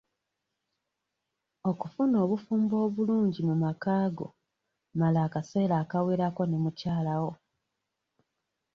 Okufuna obufumbo obulungi mu makaago mala akaseera akawerako ne mukyalawo.